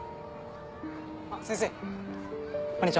あっ先生こんにちは。